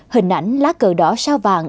hình ảnh lá cờ đỏ sao vàng